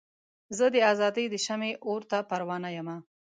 زه د ازادۍ د شمعې اور ته پروانه یمه.